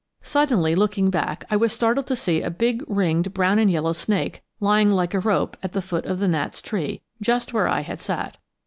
Suddenly, looking back, I was startled to see a big ringed brown and yellow snake lying like a rope at the foot of the gnat's tree, just where I had sat.